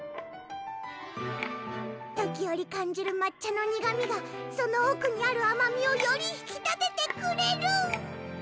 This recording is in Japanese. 時折感じる抹茶の苦みがその奥にあるあまみをより引き立ててくれる！